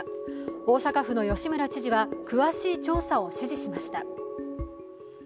大阪府の吉村知事は詳しい調査を指示しました。